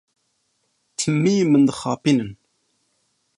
Timî min dixapînin.